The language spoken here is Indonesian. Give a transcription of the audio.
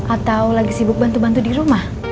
atau lagi sibuk bantu bantu di rumah